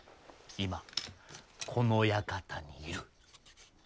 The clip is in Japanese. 今この館にいる。